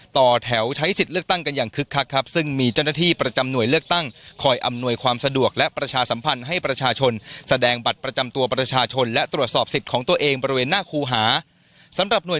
ต่อแถวใช้สิทธิ์เลือกตั้งกันอย่างคึกคักครับ